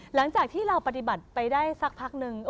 หลังจากที่เราปฏิบัติไปได้สักพักนึง